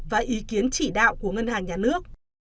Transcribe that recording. và ý kiến chỉ đạo của ngân hàng nhà nước